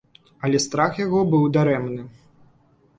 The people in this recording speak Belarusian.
Але страх яго быў дарэмны.